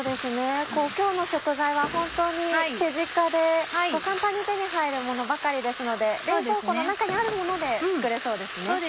今日の食材は本当に手近で簡単に手に入るものばかりですので冷蔵庫の中にあるもので作れそうですね。